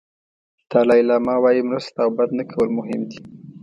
دالای لاما وایي مرسته او بد نه کول مهم دي.